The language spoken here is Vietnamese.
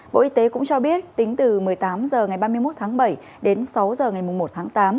bộ y tế cũng cho biết tính từ một mươi tám h ngày ba mươi một tháng bảy đến sáu h ngày một tháng tám